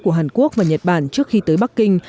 của hàn quốc và nhật bản trước khi tới bắc kinh